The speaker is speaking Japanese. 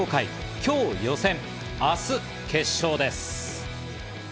今日予選、明日決勝です。